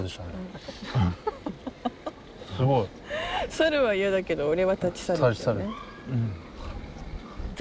猿は嫌だけど俺は立ち去るってね。